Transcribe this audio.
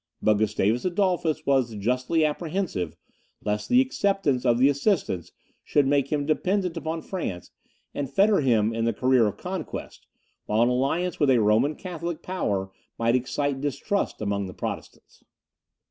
But Gustavus Adolphus was justly apprehensive lest the acceptance of the assistance should make him dependent upon France, and fetter him in his career of conquest, while an alliance with a Roman Catholic power might excite distrust among the Protestants.